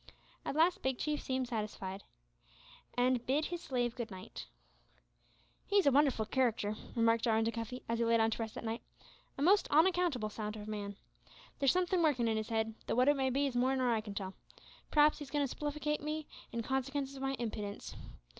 At last Big Chief seemed satisfied, and bade his slave good night. "He's a wonderful c'racter," remarked Jarwin to Cuffy, as he lay down to rest that night, "a most onaccountable sort o' man. There's sumthin' workin' in 'is 'ead; tho' wot it may be is more nor I can tell. P'raps he's agoin' to spiflicate me, in consikence o' my impidence.